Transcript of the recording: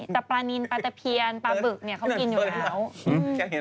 แต่ปลานินปลาตะเพียนปลาบึกเนี่ยเขากินอยู่แล้ว